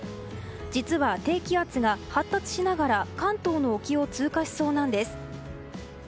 実は低気圧が発達しながら関東の沖を通過しそうなんです。